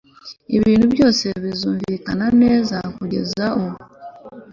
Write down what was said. ibintu byose bizumvikana neza kugeza ubu